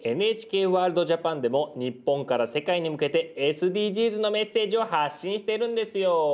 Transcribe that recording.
「ＮＨＫワールドＪＡＰＡＮ」でも日本から世界に向けてＳＤＧｓのメッセージを発信してるんですよ。